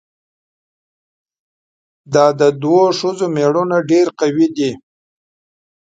دا د دوو ښځو ميړونه ډېر قوي دي؟